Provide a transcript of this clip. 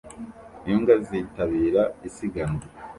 Imbwa zitabira isiganwa